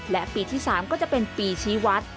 และปีที่สามก็จะเป็นปีชี้วัด